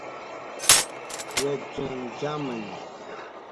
Roentgen (Germany).